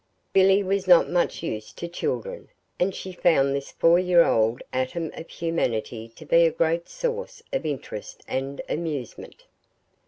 Billy was not much used to children, and she found this four year old atom of humanity to be a great source of interest and amusement.